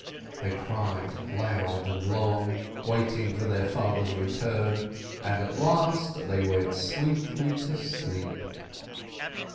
They cried loud and long, waiting for their father's return, and at last they went sweetly to sleep.